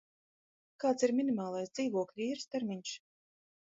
Kāds ir minimālais dzīvokļa īres termiņš?